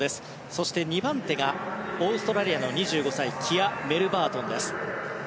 そして、２番手がオーストラリアの２５歳キア・メルバートンです。